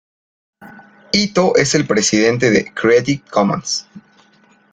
Ito es el presidente de Creative Commons.